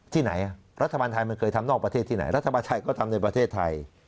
ที่ไหนรัฐบาลไทยมันเคยทำนอกประเทศที่ไหนรัฐบาลไทยก็ทำในประเทศไทย